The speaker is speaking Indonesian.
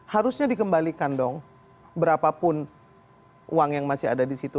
harusnya dikembalikan dong berapapun uang yang masih ada di situ